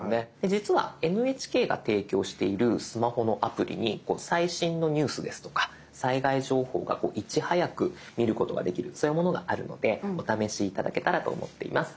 実はＮＨＫが提供しているスマホのアプリに最新のニュースですとか災害情報がいち早く見ることができるそういうものがあるのでお試し頂けたらと思っています。